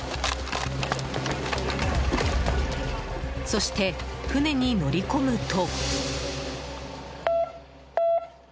そして、船に乗り込むと。